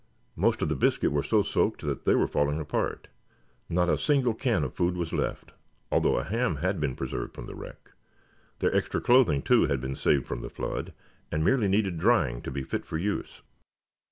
Most of the biscuit were so soaked that they were falling apart. Not a single can of food was left, although a ham had been preserved from the wreck. Their extra clothing, too, had been saved from the flood, and merely needed drying to be fit for use.